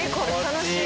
楽しい。